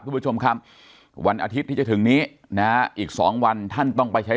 คุณผู้ชมครับวันอาทิตย์ที่จะถึงนี้นะอีกสองวันท่านต้องไปใช้